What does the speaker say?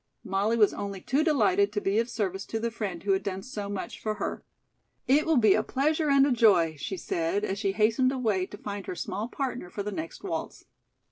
Molly was only too delighted to be of service to the friend who had done so much for her. "It will be a pleasure and a joy," she said, as she hastened away to find her small partner for the next waltz.